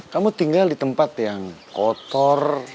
kamu tinggal di tempat yang kotor